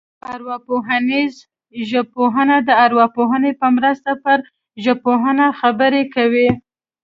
ارواپوهنیزه ژبپوهنه د ارواپوهنې په مرسته پر ژبپوهنه خبرې کوي